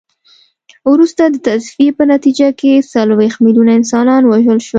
وروسته د تصفیې په نتیجه کې څلوېښت میلیونه انسانان ووژل شول.